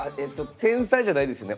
天才じゃないですよね。